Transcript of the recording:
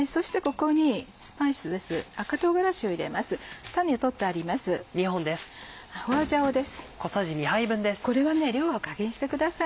これは量は加減してください。